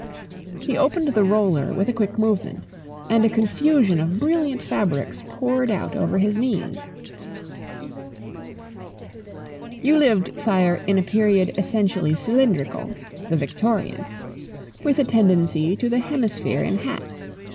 He opened the roller with a quick movement, and a confusion of brilliant fabrics poured out over his knees. "You lived, Sire, in a period essentially cylindrical the Victorian. With a tendency to the hemisphere in hats.